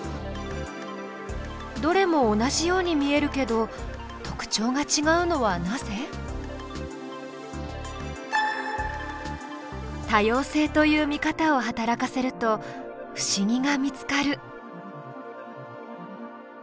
どれも同じように見えるけど特徴がちがうのはなぜ？多様性という見方を働かせると不思議が見つかる。